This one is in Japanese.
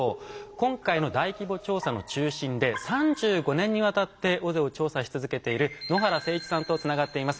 今回の大規模調査の中心で３５年にわたって尾瀬を調査し続けている野原精一さんとつながっています。